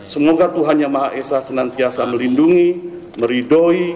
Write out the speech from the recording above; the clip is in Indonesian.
semoga tuhan yang maha esa senantiasa melindungi meridoi